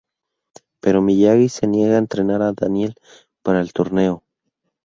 Pero Miyagi se niega a entrenar a Daniel para el torneo.